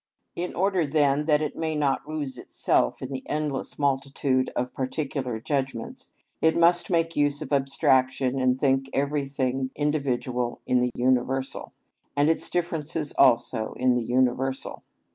In order then that it may not lose itself in the endless multitude of particular judgments, it must make use of abstraction and think everything individual in the universal, and its differences also in the universal.